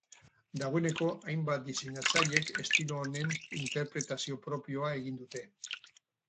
Dagoeneko hainbat diseinatzailek estilo honen interpretazio propioa egin dute.